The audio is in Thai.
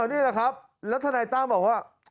นี่แหละครับแล้วทนายตั้มบอกว่า